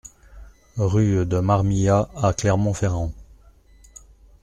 Rue de Marmillat à Clermont-Ferrand